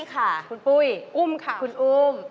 คุณปุ้ยค่ะคุณอุ้มค่ะ